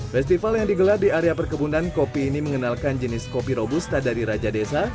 festival yang digelar di area perkebunan kopi ini mengenalkan jenis kopi robusta dari raja desa